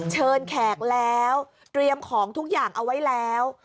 แขกแล้วเตรียมของทุกอย่างเอาไว้แล้ว